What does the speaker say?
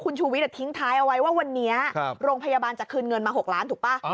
คุณชูวิทย์ทิ้งท้ายเอาไว้ว่าวันนี้โรงพยาบาลจะคืนเงินมา๖ล้านถูกป่ะ